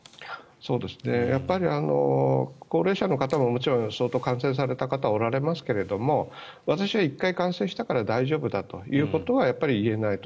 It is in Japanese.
やっぱり高齢者の方ももちろん相当感染された方はおられますけども私は１回感染したから大丈夫だということはやっぱり言えないと。